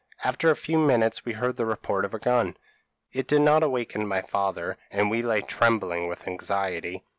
After a few minutes we heard the report of a gun. It did not awaken my father; and we lay trembling with anxiety.